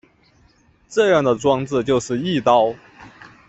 这样的装置就是翼刀。